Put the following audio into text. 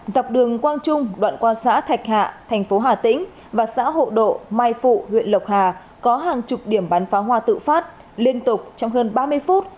dọc đường quang trung đoạn qua xã thạch hạ thành phố hà tĩnh và xã hộ độ mai phụ huyện lộc hà có hàng chục điểm bán pháo hoa tự phát liên tục trong hơn ba mươi phút